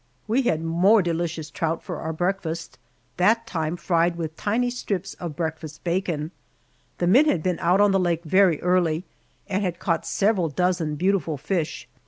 We had more delicious trout for our breakfast; that time fried with tiny strips of breakfast bacon. The men had been out on the lake very early, and had caught several dozen beautiful fish.